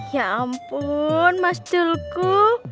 ya ampun mas dulku